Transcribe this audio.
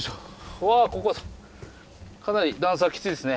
うわここかなり段差きついですね。